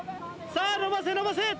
さあのばせのばせ。